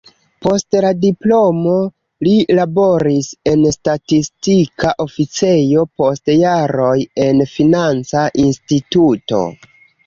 Post la diplomo li laboris en statistika oficejo, post jaroj en financa instituto.